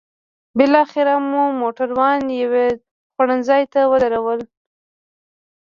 بالاخره مو موټران یو خوړنځای ته ودرول.